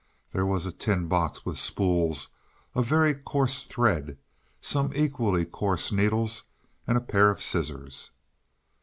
There was a tin box with spools of very coarse thread, some equally coarse needles and a pair of scissors.